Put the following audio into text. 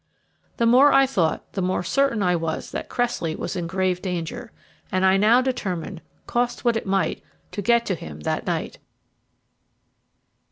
The more I thought, the more certain I was that Cressley was in grave danger; and I now determined, cost what it might, to get to him that night.